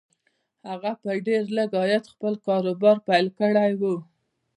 هغه په ډېر لږ عاید خپل کاروبار پیل کړی و